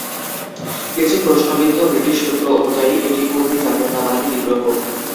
কিছু প্রশ্নবিদ্ধ ব্রিটিশ সূত্র অনুযায়ী এটি কুর্দি জাতীয়তাবাদী বিদ্রোহ।